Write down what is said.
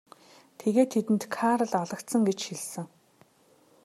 Тэгээд тэдэнд Карл алагдсан гэж хэлсэн.